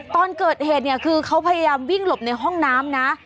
ตอนเกิดเหตุเนี่ยคือเขาพยายามวิ่งหลบในห้องน้ำนะ